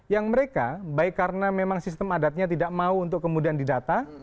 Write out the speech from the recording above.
yang mereka baik karena memang sistem adatnya tidak mau untuk kemudian didata